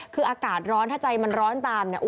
คืออากาศร้อนถ้าใจมันร้อนตามเนี่ย